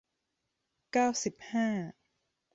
เก้าสิบห้า